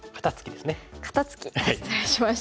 肩ツキ失礼しました。